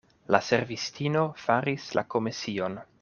La servistino faris la komision.